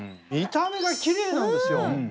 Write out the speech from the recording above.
見た目がきれいなんですよ。